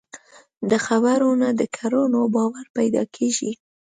د خبرو نه، د کړنو باور پیدا کېږي.